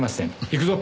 行くぞ！